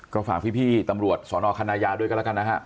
ก็ฝากพี่ตำรวจสอนอคณะยาด้วยกันแล้วกันนะฮะ